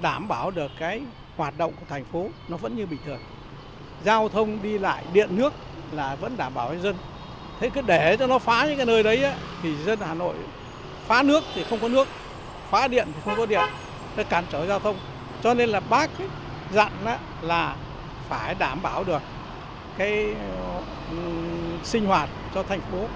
đảm bảo được cái hoạt động của thành phố nó vẫn như bình thường giao thông đi lại điện nước là vẫn đảm bảo cho dân thế cứ để cho nó phá như cái nơi đấy thì dân hà nội phá nước thì không có nước phá điện thì không có điện nó cản trở giao thông cho nên là bác ấy dặn là phải đảm bảo được cái sinh hoạt cho thành phố